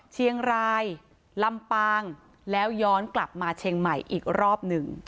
เชียงรายลำปางแล้วย้อนกลับมาเชียงใหม่อีกรอบหนึ่ง